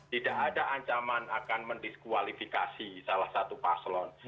tidak ada ancaman akan mendiskualifikasi salah satu paslon